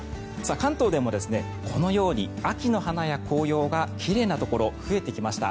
関東でもこのように秋の花や紅葉が奇麗なところ増えてきました。